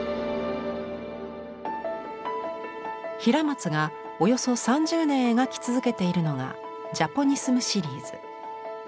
平松がおよそ３０年描き続けているのが「ジャポニスムシリーズ」。